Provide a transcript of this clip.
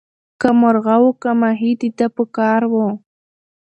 که مرغه وو که ماهی د ده په کار وو